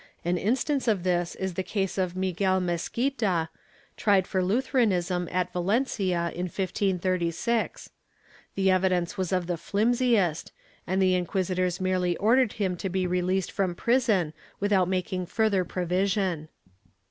An instance of this is the case of Miguel Mezquita, tried for Lutheranism at Valencia, in 1536. The evidence was of the flimsiest, and the inquisitors merely ordered him to be released from prison without making further provision.